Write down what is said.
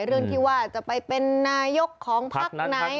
เรื่องที่ว่าจะไปเป็นนายกของพักไหน